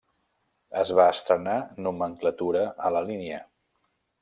Es va estrenar nomenclatura a la línia.